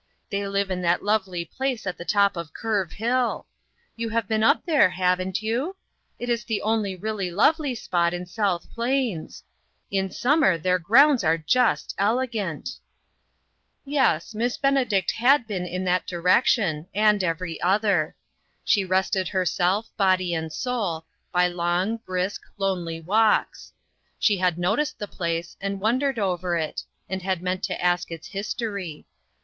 They live in that lovely place at the top of Curve Hill. You have been up there, haven't you ? It is the only really lovely spot in South Plains. In summer their grounds are just elegant !" OUTSIDE THE CIRCLE. 125 Yes, Miss Benedict had been in that di rection, and every other. She rested her self, body and soul, by long, brisk, lonely walks. She had noticed the place and won dered over it, and had meant to ask its history.